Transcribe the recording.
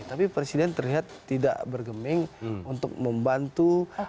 tapi presiden terlihat tidak bergeming untuk membantu